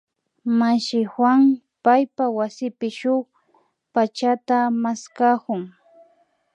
Mashi Juan paypak wasipi shuk pachata maskakun